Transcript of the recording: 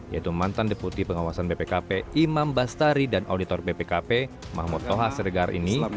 yaitu mantan deputi pengawasan bpkp imam bastari dan auditor bpkp mahmud toha seregar ini